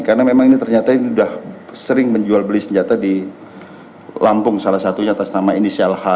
karena memang ini ternyata ini sudah sering menjual beli senjata di lampung salah satunya atas nama ini